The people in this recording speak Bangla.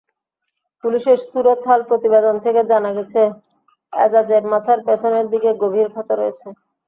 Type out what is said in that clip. পুলিশের সুরতহাল প্রতিবেদন থেকে জানা গেছে, এজাজের মাথার পেছনের দিকে গভীর ক্ষত রয়েছে।